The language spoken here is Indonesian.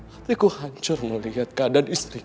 hatiku hancur melihat kak dan istriku